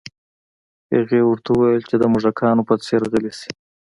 هغې ورته وویل چې د موږکانو په څیر غلي شي